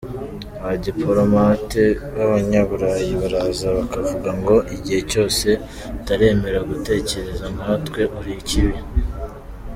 Abadipolomate b’abanyaburayi baraza bakavuga ngo: igihe cyose utaremera gutekereza nkatwe, uri ikibi.